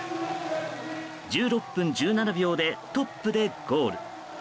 １６分１７秒でトップでゴール。